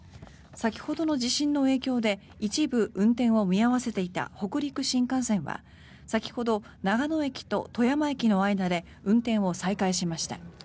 先ほどの地震の影響で一部運転を見合わせていた北陸新幹線は先ほど長野駅と富山駅の間で運転を再開しました。